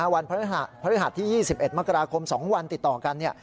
วันพฤหัสที่๒๑มกราคม๒วันติดต่อกัน